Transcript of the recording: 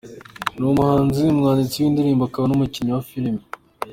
Ni umuhanzi, umwanditsi w’indirimbo akaba n’umukinnyi wa filime.